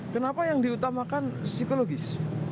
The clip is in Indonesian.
kenapa yang diutamakan psikologis